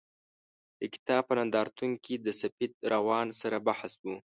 د کتاب په نندارتون کې د سفید روان سره بحث و.